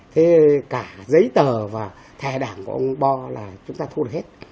thế cả giấy tờ và thẻ đảng của ông bo là chúng ta thu được hết